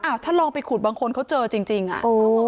อ้าวถ้าลองไปขุดบางคนเขาเจอจริงอ่ะ